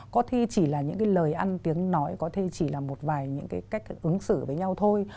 có thi chỉ là những cái lời ăn tiếng nói có thể chỉ là một vài những cái cách ứng xử với nhau thôi